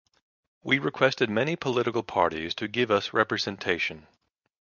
We requested many political parties to give us representation.